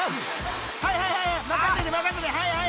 ［はいはいはいはい！